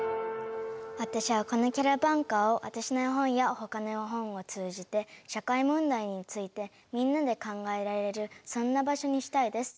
私はこのキャラバンカーを私の絵本や他の絵本を通じて社会問題についてみんなで考えられるそんな場所にしたいです。